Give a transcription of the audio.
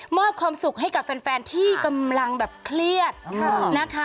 มอบความสุขให้กับแฟนที่กำลังแบบเครียดนะคะ